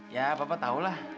ya papa tau lah